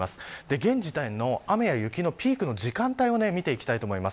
現時点の雨や雪のピークの時間帯を見ていきます。